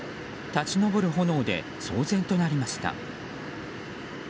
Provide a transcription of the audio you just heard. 立ち上る炎で騒然となりました。